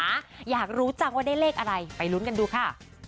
อยากรู้จังว่าได้เลขอะไรไปลุ้นกันดูค่ะ